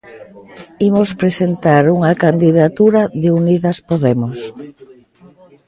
Imos presentar unha candidatura de Unidas Podemos.